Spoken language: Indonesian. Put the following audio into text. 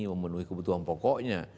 memenuhi kebutuhan pokoknya